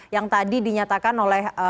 yang tadi dinyatakan oleh